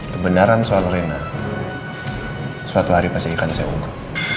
karena suatu hari pasti ikan saya unggul